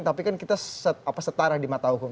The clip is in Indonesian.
tapi kan kita setara di mata hukum